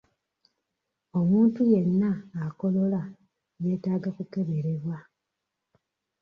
Omuntu yenna akolola yeetaaga kukeberebwa.